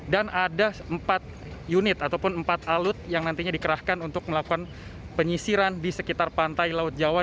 dan ada empat unit ataupun empat alut yang nantinya dikerahkan untuk melakukan penyisiran di sekitar pantai laut jawa